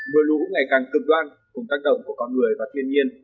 mưa lũ ngày càng cực đoan cùng tác động của con người và thiên nhiên